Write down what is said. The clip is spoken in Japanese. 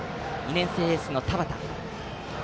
年生エースの田端。